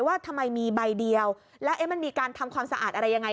ว่าทำไมมีใบเดียวแล้วเอ๊ะมันมีการทำความสะอาดอะไรยังไง